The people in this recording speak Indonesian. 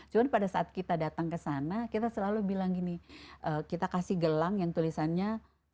cuma pada saat kita datang ke sana kita selalu bilang gini kita kasih gelang yang tulisannya